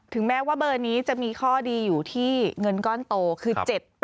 แม้ว่าเบอร์นี้จะมีข้อดีอยู่ที่เงินก้อนโตคือ๗๘